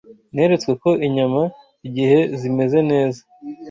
Neretswe ko inyama, igihe zimeze neza